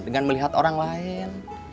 dengan melihat orang lain